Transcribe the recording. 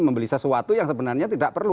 membeli sesuatu yang sebenarnya tidak perlu